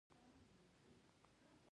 له ډیرو توپونو سره پر مخ روان دی.